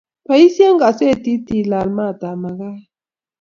Boisien gasetit ilal maatab makaek.